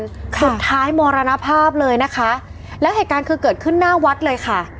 สุดท้ายมรณภาพเลยนะคะแล้วเหตุการณ์คือเกิดขึ้นหน้าวัดเลยค่ะ